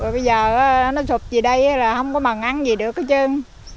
bây giờ nó sụp gì đây là không có mần ăn gì được cái trơn